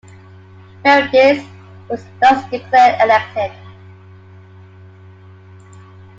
Meredith was thus declared elected.